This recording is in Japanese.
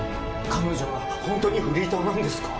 彼女は本当にフリーターなんですか？